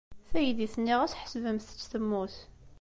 Taydit-nni ɣas ḥesbemt-tt temmut.